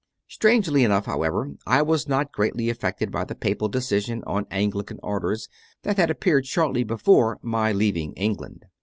Strangely enough, however, I was not greatly af fected by the papal decision on Anglican Orders that had appeared shortly before my leaving England.